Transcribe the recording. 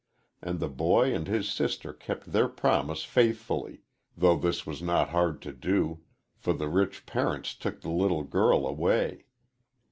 And the boy and his sister kept their promise faithfully, though this was not hard to do, for the rich parents took the little girl away.